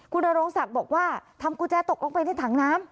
คุณนโรงศักดิ์บอกว่าทำกุญแจตกลงไปในถังน้ำ